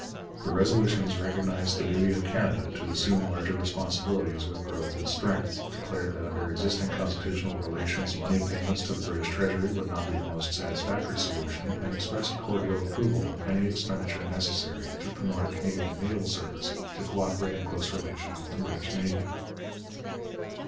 The resolutions recognized the duty of Canada to assume larger responsibilities with growth in strength, declared that under existing constitutional relations money payments to the British Treasury would not be the most satisfactory solution, and expressed cordial approval of any expenditure necessary to promote a Canadian Naval Service to co operate in close relation with the British Navy.